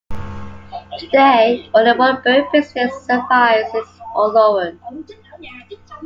Today only one beret business survives in Oloron.